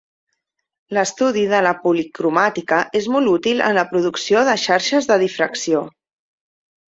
L'estudi de la policromàtica és molt útil en la producció de xarxes de difracció.